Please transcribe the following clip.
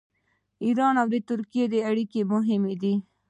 د ایران او ترکیې اړیکې مهمې دي.